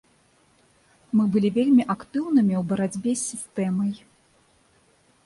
Мы былі вельмі актыўнымі ў барацьбе з сістэмай.